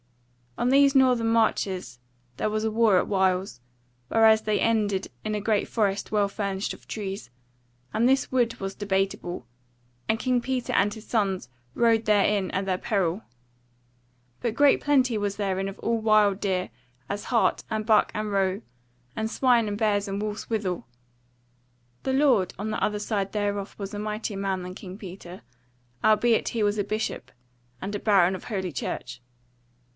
On these northern marches there was war at whiles, whereas they ended in a great forest well furnished of trees; and this wood was debateable, and King Peter and his sons rode therein at their peril: but great plenty was therein of all wild deer, as hart, and buck, and roe, and swine, and bears and wolves withal. The lord on the other side thereof was a mightier man than King Peter, albeit he was a bishop, and a baron of Holy Church.